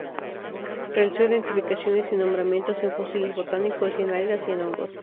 Realizó identificaciones y nombramientos en fósiles botánicos, y en algas y en hongos.